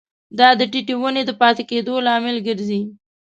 دا د ټیټې ونې د پاتې کیدو لامل ګرځي.